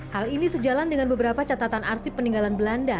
hal ini sejalan dengan beberapa catatan arsip peninggalan belanda